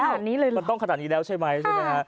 ขนาดนี้เลยเหรอมันต้องขนาดนี้แล้วใช่ไหมใช่ไหมฮะ